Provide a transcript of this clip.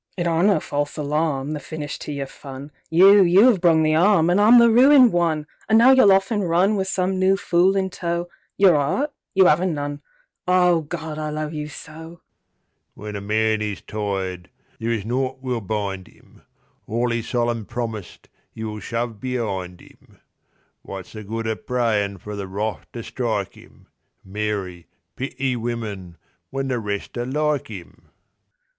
It aren't no false alarm, The finish to your fun; You—you 'ave brung the 'arm, An' I'm the ruined one; An' now you'll off an' runWith some new fool in tow. Your 'eart? You 'aven't none….Ah, Gawd, I love you so! When a man is tired there is naught will bind 'im; All 'e solemn promised 'e will shove be'ind 'im. What's the good o' prayin' for The Wrath to strike 'im(Mary, pity women!), when the rest are like 'im?